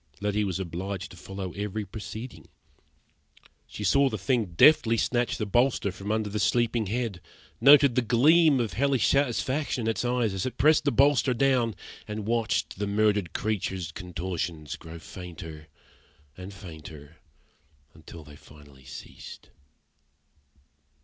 Letty was obliged to follow every proceeding. She saw the thing deftly snatch the bolster from under the sleeping head; noted the gleam of hellish satisfaction in its eyes as it pressed the bolster down; and watched the murdered creature's contortions grow fainter, and fainter, until they finally ceased.